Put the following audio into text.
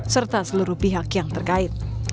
serta seluruh pihak yang terkait